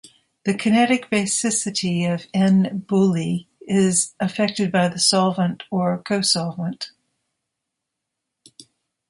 The kinetic basicity of "n"-BuLi is affected by the solvent or cosolvent.